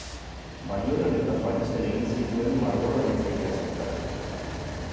Baionan eta Parisen egin zituen margolaritza-ikasketak.